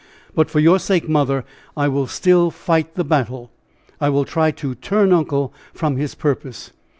But for your sake, mother, I will still fight the battle. I will try to turn uncle from his purpose.